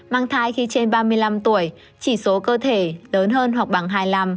mang thai khi trên ba mươi năm tuổi chỉ số cơ thể lớn hơn hoặc bằng hai mươi năm